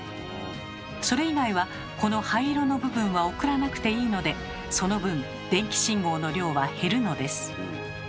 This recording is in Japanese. それ以外はこの灰色の部分は送らなくていいのでその分電気信号の量は減るのです。